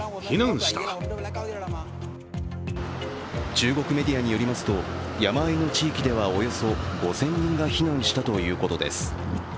中国メディアによりますと山あいの地域ではおよそ５０００人が避難したということです。